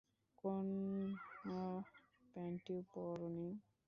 কোন প্যান্টি পর নি!